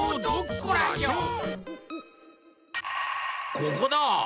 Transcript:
ここだ！